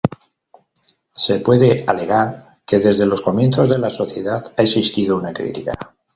Se puede alegar que desde los comienzos de la sociedad ha existido una crítica.